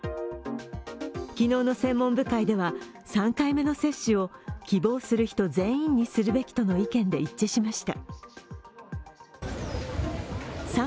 昨日の専門部会では３回目の接種を希望する人全員にするべきとの意見で一致しました。